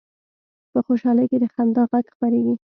په خوشحالۍ کې د خندا غږ خپرېږي